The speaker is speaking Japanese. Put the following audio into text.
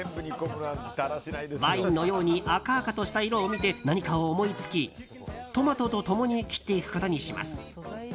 ワインのように赤々とした色を見て何かを思いつき、トマトと共に切っていくことにします。